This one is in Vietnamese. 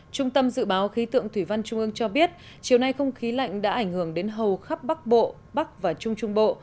trung tâm dự báo khí tượng thủy văn trung ương cho biết chiều nay không khí lạnh đã ảnh hưởng đến hầu khắp bắc bộ bắc và trung trung bộ